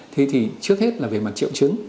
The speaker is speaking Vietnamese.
thế thì trước hết là về mặt triệu chứng